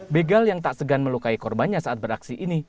begal yang tak segan melukai korbannya saat beraksi ini